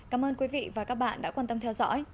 cảm ơn quý vị và các bạn đã quan tâm theo dõi